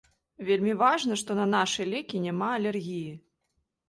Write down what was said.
Вельмі важна, што на нашы лекі няма алергіі.